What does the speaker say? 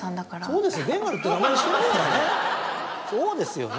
そうですよね。